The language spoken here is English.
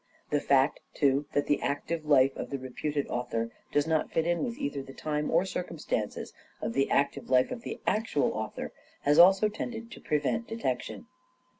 The fact, too, that the active life of the reputed author 457 458 " SHAKESPEARE " IDENTIFIED does not fit in with either the time or circumstances of the active life of the actual author has also tended to prevent detection.